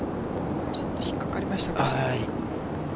ちょっと引っ掛かりましたか。